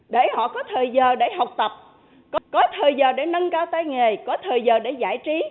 để họ có thời giờ để học tập có thời giờ để nâng cao tay nghề có thời giờ để giải trí